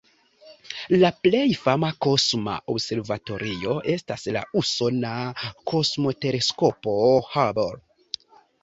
La plej fama kosma observatorio estas la usona Kosmoteleskopo Hubble.